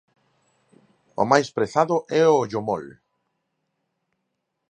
O máis prezado é o Ollomol.